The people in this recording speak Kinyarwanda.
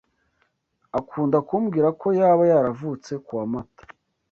akunda kumbwira ko yaba yaravutse kuwa Mata